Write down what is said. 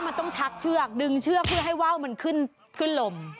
คุณชักเวาสนุกไหม